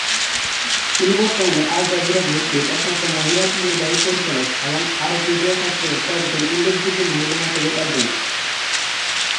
তিনি বর্তমানে Al Jazeera গ্রুপের একমাত্র মহিলা নির্বাহী পরিচালক এবং আরব মিডিয়া ক্ষেত্রের কয়েকজন উল্লেখযোগ্য মহিলা নেতাদের একজন।